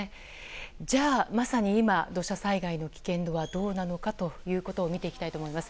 じゃあ、まさに今土砂災害の危険度はどうなのか見ていきたいと思います。